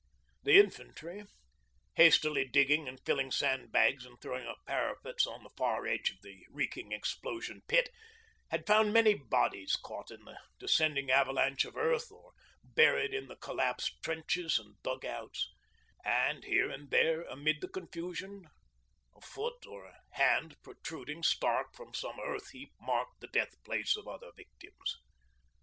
The infantry, hastily digging and filling sandbags and throwing up parapets on the far edge of the reeking explosion pit, had found many bodies caught in the descending avalanche of earth or buried in the collapsed trenches and dug outs; and here and there, amid the confusion, a foot or a hand protruding stark from some earth heap marked the death place of other victims.